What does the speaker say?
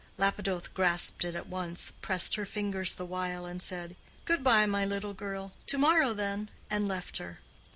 Lapidoth grasped it at once, pressed her fingers the while, said, "Good bye, my little girl—to morrow then!" and left her.